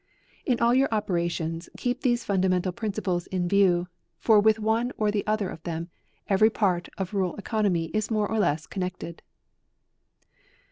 In all your operations, keep these funda mental principles in view, for with one or other of them, every part of rural economy is more or less connected.